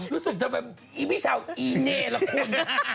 รู้สึกเธอเป็นอีพี่ชาวอีเนละคุณ